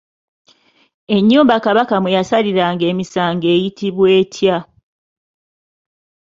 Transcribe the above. Ennyumba Kabaka mwe yasaliranga emisango eyitibwa etya?